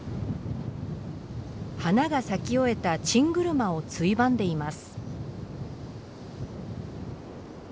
花が咲き終えたチングルマをついばんでいます。